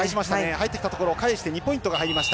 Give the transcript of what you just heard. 入ってきたところを返して２ポイントが入りました。